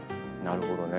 なるほどね。